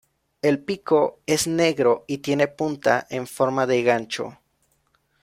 El pico es negro y tiene punta en forma de gancho.